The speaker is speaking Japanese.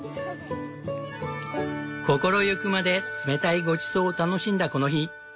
心ゆくまで冷たいごちそうを楽しんだこの日。